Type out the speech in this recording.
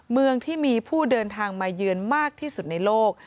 เมืองที่มีผู้เดินทางมาเยือนมากที่สุดในโลก